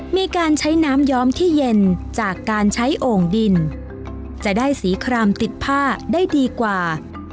มีการใช้น้ำย้อมที่เย็นจากการใช้โอ่งดินจะได้สีครามติดผ้าได้ดีกว่า